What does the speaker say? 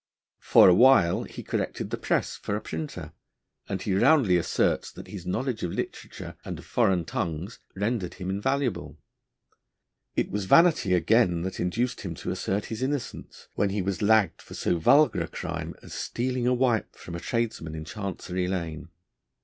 For a while he corrected the press for a printer, and he roundly asserts that his knowledge of literature and of foreign tongues rendered him invaluable. It was vanity again that induced him to assert his innocence when he was lagged for so vulgar a crime as stealing a wipe from a tradesman in Chancery Lane.